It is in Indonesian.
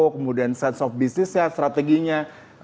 kemudian sense of business nya strateginya